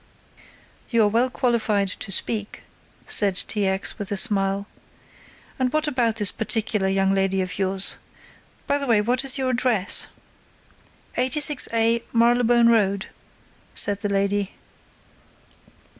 "You are well qualified to speak," said T. X. with a smile. "And what about this particular young lady of yours! By the way what is your address?" "86a Marylebone Road," said the lady.